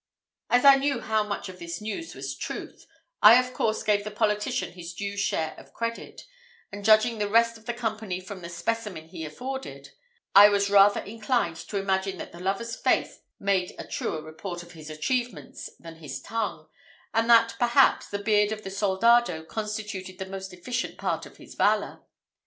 As I knew how much of this news was truth, I of course gave the politician his due share of credit; and judging the rest of the company from the specimen he afforded, I was rather inclined to imagine that the lover's face made a truer report of his achievements than his tongue, and that, perhaps, the beard of the soldado constituted the most efficient part of his valour.